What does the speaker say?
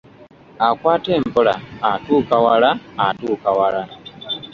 Akwata empola, atuuka wala atuuka wala.